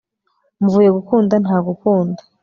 mvuye gukunda ntagukunda